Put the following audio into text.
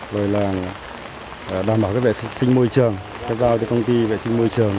rồi là đảm bảo về vệ sinh môi trường sẽ giao tới công ty vệ sinh môi trường